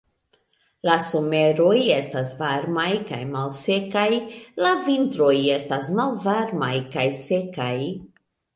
La someroj estas varmaj kaj malsekaj, la vintroj estas malvarmaj kaj sekaj.